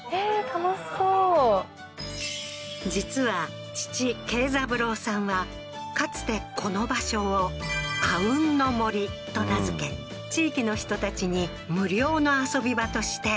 楽しそう実は父桂三郎さんはかつてこの場所を阿吽の森と名づけ地域の人たちに無料の遊び場として開放していたのだ